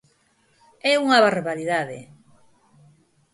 ¡É unha barbaridade!